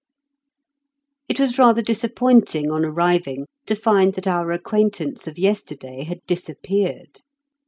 It was rather disappointing on arriving to find that our acquaintance of yesterday had disappeared.